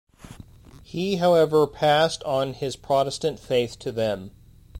He however passed on his Protestant faith to them.